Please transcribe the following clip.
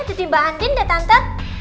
jadi mbak andin deh tante